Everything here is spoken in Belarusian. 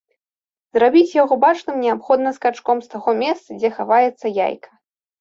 Зрабіць яго бачным неабходна скачком з таго месца, дзе хаваецца яйка.